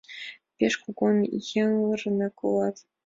Пеш кугун йырнык улат.